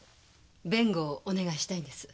弁護をお願いしたいんです。